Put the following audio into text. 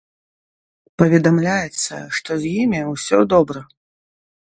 Паведамляецца, што з імі ўсё добра.